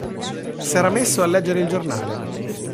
S'era messo a leggere il giornale.